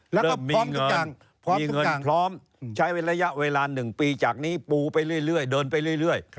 แล้วก็พร้อมทุกอย่างพร้อมทุกอย่างพร้อมใช้เป็นระยะเวลา๑ปีจากนี้ปูไปเรื่อยเดินไปเรื่อย